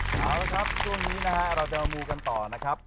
เอาละครับช่วงนี้นะฮะเราจะมูกันต่อนะครับ